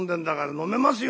「飲めますよ。